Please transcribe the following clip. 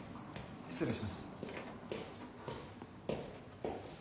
失礼します。